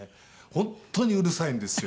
本当にうるさいんですよ。